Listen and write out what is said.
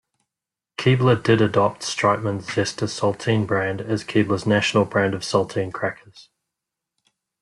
Keebler did adopt Streitmann's Zesta saltine brand as Keebler's national brand of saltine crackers.